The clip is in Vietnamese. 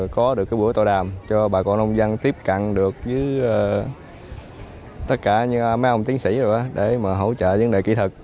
có được cái bữa tòa đàm cho bà con nông dân tiếp cận được với tất cả mấy ông tiến sĩ rồi đó để mà hỗ trợ vấn đề kỹ thuật